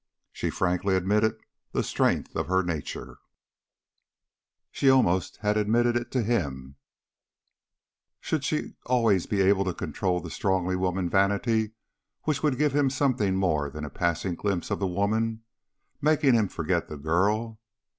She frankly admitted the strength of her nature, she almost had admitted it to him; should she always be able to control the strong womanly vanity which would give him something more than a passing glimpse of the woman, making him forget the girl?